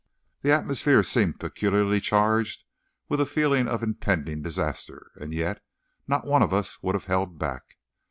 The atmosphere seemed peculiarly charged with a feeling of impending disaster, and yet, not one of us would have held back.